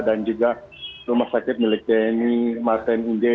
dan juga rumah sakit